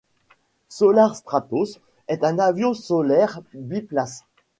SolarStratos est un avion solaire biplace.